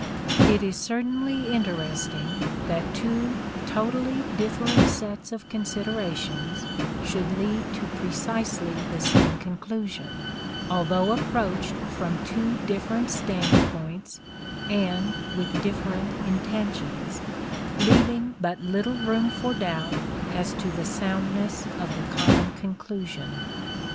It is certainly interest ing that two totally different sets of considerations should lead to precisely the same conclusion, although approached from two different standpoints and with different intentions; leaving but little room for doubt as to the soundness of the common conclusion.